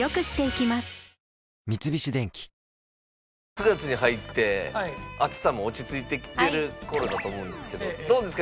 ９月に入って暑さも落ち着いてきてる頃だと思うんですけどどうですか？